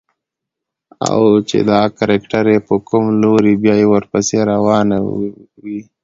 او چې دا کرکټر يې په کوم لوري بيايي ورپسې روانه وي.